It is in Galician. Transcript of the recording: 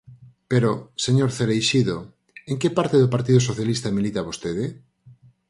Pero, señor Cereixido, ¿en que parte do Partido Socialista milita vostede?